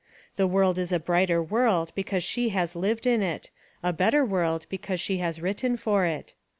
The world is a brighter world because she has lived in it, a better world because she has written for it.